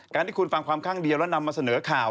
การที่คุณฟังความข้างเดียวแล้วนำมาเสนอข่าว